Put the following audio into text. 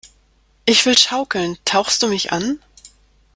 Ich will schaukeln! Tauchst du mich an?